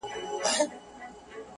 ضمير بې قراره پاتې کيږي تل,